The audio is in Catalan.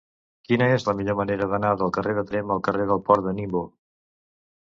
Quina és la millor manera d'anar del carrer de Tremp al carrer del Port de Ningbo?